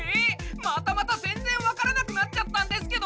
またまた全然わからなくなっちゃったんですけど！